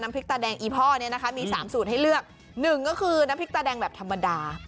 พริกตาแดงอีพ่อเนี่ยนะคะมี๓สูตรให้เลือกหนึ่งก็คือน้ำพริกตาแดงแบบธรรมดา